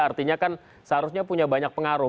artinya kan seharusnya punya banyak pengaruh